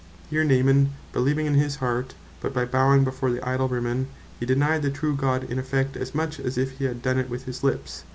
Here Naaman beleeved in his heart; but by bowing before the Idol Rimmon, he denyed the true God in effect, as much as if he had done it with his lips.